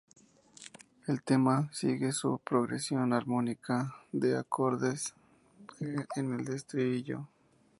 El tema sigue su progresión armónica de acordes G–C–Em–D en el estribillo.